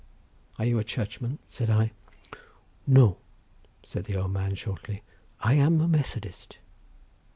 "Are you a Churchman?" said I. "No," said the old man, shortly; "I am a Methodist."